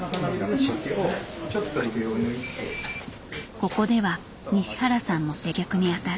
ここでは西原さんも接客に当たる。